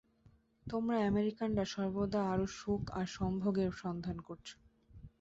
তোমরা আমেরিকানরা সর্বদা আরও সুখ আর সম্ভোগের সন্ধান করছ।